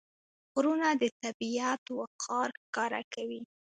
غرونه د طبیعت وقار ښکاره کوي.